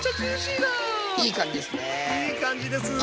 いい感じですね。